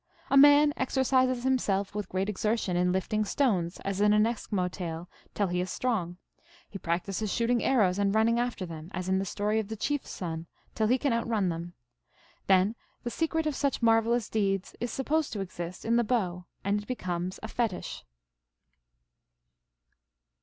A man exercises himself with great exertion in lifting stones, as in an Eskimo tale, till he is strong ; he practices shooting arrows and running after them, as in the story of the Chief s Son, till he can outrun them. Then the secret of such marvelous deeds is supposed to exist in the bow, and it becomes a fetich.